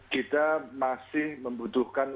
kita masih membutuhkan